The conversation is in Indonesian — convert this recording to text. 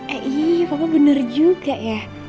eh papa bener juga ya